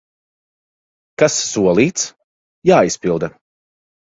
Kas solīts, jāizpilda!